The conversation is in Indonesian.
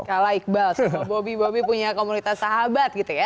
kalaikbas bobi bobi punya komunitas sahabat gitu ya